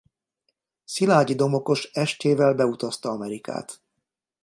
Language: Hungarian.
Szilágyi Domokos estjével beutazta Amerikát.